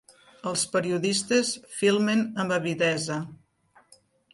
Els periodistes filmen amb avidesa.